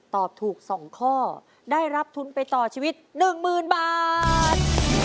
ตอบถูก๒ข้อได้รับทุนไปต่อชีวิต๑๐๐๐บาท